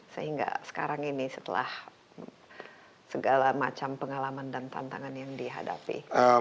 sehingga sekarang ini setelah segala macam pengalaman dan tantangan yang dihadapi